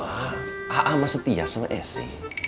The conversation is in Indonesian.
aa sama setia sama esi